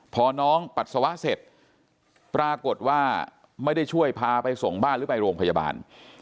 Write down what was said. พอน้องปัสสาวะเสร็จปรากฏว่าไม่ได้ช่วยพาไปส่งบ้านหรือไปโรงพยาบาล